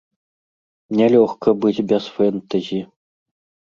Не лёгка быць без фэнтэзі.